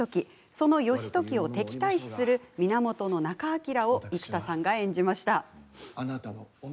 その義時を敵対視する源仲章を生田さんが演じました。